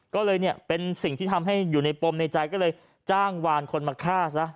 ก็เลยเนี่ยเป็นสิ่งที่ทำให้อยู่ในปมในใจก็เลยจ้างวานคนมาฆ่าซะ